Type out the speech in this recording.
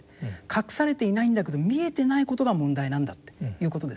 隠されていないんだけど見えてないことが問題なんだっていうことですね。